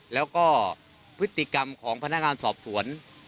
แล้วก็พฤติกรรมของพนักงานสอบสวน